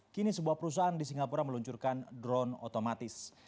kini sebuah perusahaan di singapura meluncurkan drone otomatis